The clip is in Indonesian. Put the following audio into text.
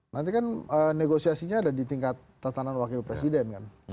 nanti kan negosiasinya ada di tingkat tatanan wakil presiden kan